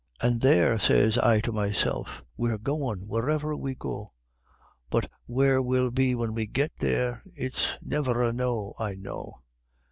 "An' there," sez I to meself, "we're goin' wherever we go, But where we'll be whin we git there it's never a know I know."